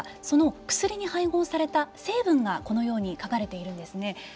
その薬に配合された成分が、このように書かれているんですね。